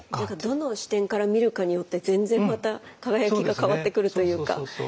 どの視点から見るかによって全然また輝きが変わってくるというか。